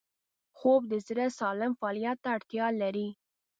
خوب د زړه سالم فعالیت ته اړتیا لري